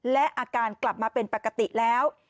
และอาการกลับมาเป็นปกติแล้ว